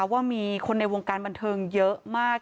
ว่ามีคนในวงการบันเทิงเยอะมาก